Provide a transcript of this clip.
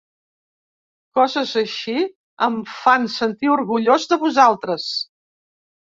Coses així em fan sentir orgullós de vosaltres.